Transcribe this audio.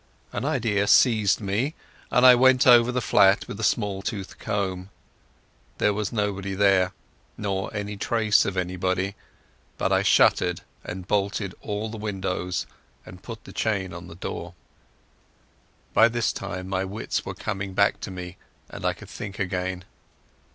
An idea seized me, and I went over the flat with a small tooth comb. There was nobody there, nor any trace of anybody, but I shuttered and bolted all the windows and put the chain on the door. By this time my wits were coming back to me, and I could think again.